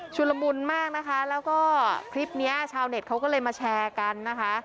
ละมุนมากนะคะแล้วก็คลิปนี้ชาวเน็ตเขาก็เลยมาแชร์กันนะคะ